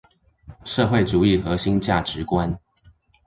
社會主義核心價值觀